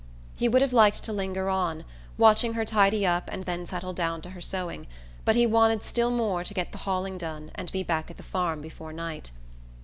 He would have liked to linger on, watching her tidy up and then settle down to her sewing; but he wanted still more to get the hauling done and be back at the farm before night.